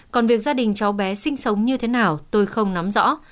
còn việc gia đình cháu bé sinh sống như thế nào tôi không nắm rõ